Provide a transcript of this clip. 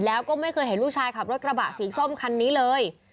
แล้วก็ไม่เคยเห็นลูกชายขับรถกระบะสีส้มคันนี้เลย